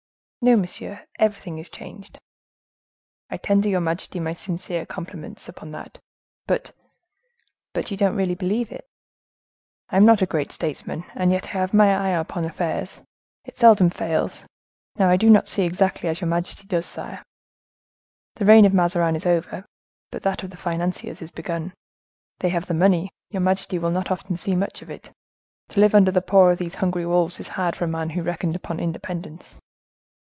"No, monsieur; everything is changed." "I tender your majesty my sincere compliments upon that, but—" "But you don't believe it?" "I am not a great statesman, and yet I have my eye upon affairs; it seldom fails; now, I do not see exactly as your majesty does, sire. The reign of Mazarin is over, but that of the financiers is begun. They have the money; your majesty will not often see much of it. To live under the paw of these hungry wolves is hard for a man who reckoned upon independence."